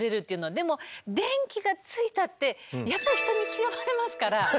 でも電気がついたってやっぱり人に嫌われますから。